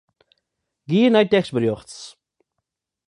Gean nei tekstberjocht.